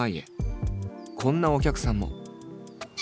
こんなお客さんも。